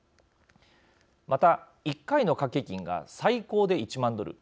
また１回の掛け金が最高で１万ドル。